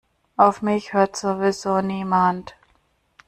Auf mich hört sowieso niemand.